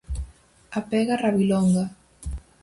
A pega rabilonga.